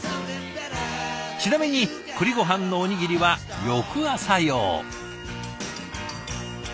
ちなみに栗ごはんのおにぎりは翌朝用。